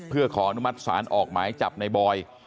เพื่อขออนุมัติศาลออกหมายจับในบอย